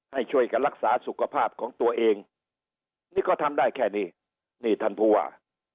ให้ช่วยกันรักษาสุขภาพของตัวเองนี่ก็ทำได้แค่นี้นี่ท่านผู้ว่า